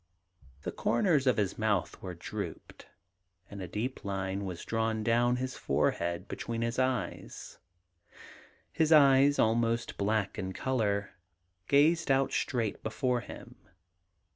The comers of his mouth were drooped ; and a deep line was drawn down his forehead between his eyes ; his eyes, almost black in colour, gazed out straight before him.